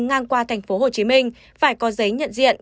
ngang qua tp hcm phải có giấy nhận diện